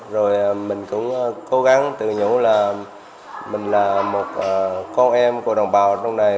rồi mình cũng cố gắng tự nhủ là mình là một con em của đồng bào trong này